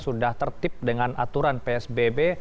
sudah tertib dengan aturan psbb